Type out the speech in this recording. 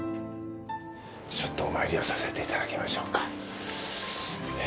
ちょっとお参りをさせていただきましょうか。